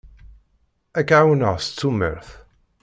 Ad k-ɛawneɣ s tumert.